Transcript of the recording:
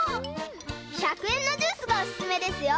１００えんのジュースがおすすめですよ。